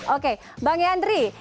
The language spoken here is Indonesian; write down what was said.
oke bang yandri